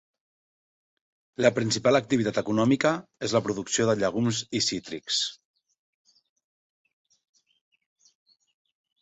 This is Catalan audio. La principal activitat econòmica és la producció de llegums i cítrics.